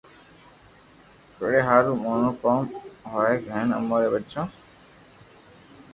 پيڙي ھارون موٽو ڪوم ھوئي ھين امري ٻچو